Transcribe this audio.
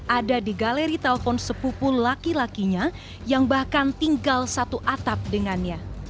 ada di galeri telepon sepupu laki lakinya yang bahkan tinggal satu atap dengannya